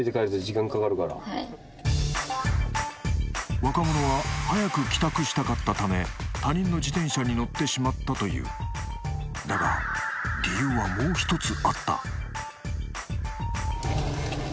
若者は早く帰宅したかったため他人の自転車に乗ってしまったと言うだが理由はもうひとつあった